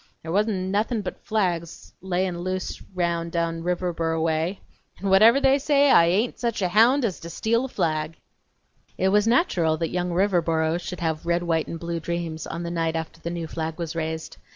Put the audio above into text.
There wa'n't nothin' but flags layin' roun' loose down Riverboro way, n' whatever they say, I hain't sech a hound as to steal a flag!" It was natural that young Riverboro should have red, white, and blue dreams on the night after the new flag was raised.